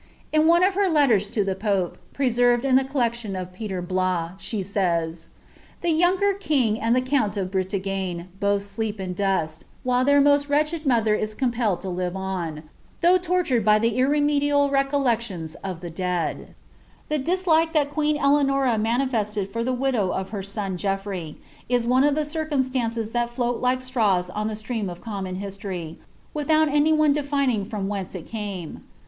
In one of her letiera to the pope, preMrved in the collectiM of , Pi^r Bloia, she wyi, — "I'he youngsr king and the count of HrrtagnP both skrp in iluti, ' while their most wretrlied mother is comprllpd to liTC on, though lu^ 1 ttired by the irremediable recoltectiona of tlie deail.'" ^ The dislike lluil queen Eletuiorv iiiaiiifeBled for the widow of her MB ', GeoOrey, is one of the c ire urns lances that Aoat like strawa oa the stnam k of iMmmon htslorv. without any one defining front whence it rame.